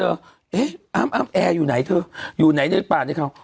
เอ๊ะอ๊าบแออยู่ไหนเธออยู่ไหนในป่านไอ้เขา